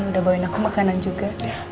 udah bawain aku makanan juga